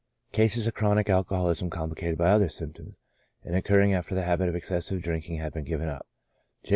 Cases of Chronic Alcoholism complicated by other symptoms^ and occurring after the habit of excessive drinking had been given up, J.